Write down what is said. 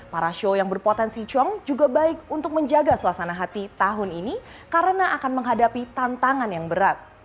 para show yang berpotensi cong juga baik untuk menjaga suasana hati tahun ini karena akan menghadapi tantangan yang berat